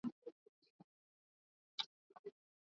kunacho mshauri rais mpya ni lazima ashirikishe